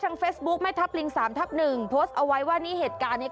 เฟซบุ๊คแม่ทับลิงสามทับหนึ่งโพสต์เอาไว้ว่านี่เหตุการณ์เนี้ย